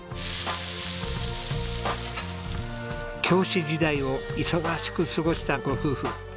教師時代を忙しく過ごしたご夫婦。